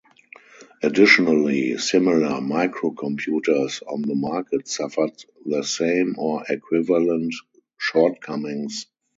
Additionally, similar microcomputers on the market suffered the same, or equivalent, shortcomings.